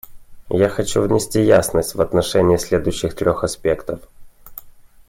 Я хочу внести ясность в отношении следующих трех аспектов.